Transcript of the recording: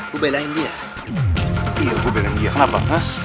gue belain dia iya gue belain dia kenapa